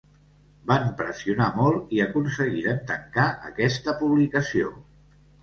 Van pressionar molt i aconseguiren tancar aquesta publicació.